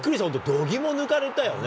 度肝抜かれたよね。